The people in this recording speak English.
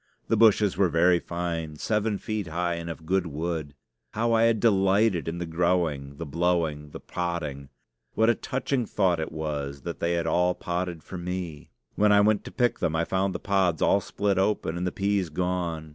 The bushes were very fine seven feet high, and of good wood. How I had delighted in the growing, the blowing, the podding! What a touching thought it was that they had all podded for me! When I went to pick them I found the pods all split open and the peas gone.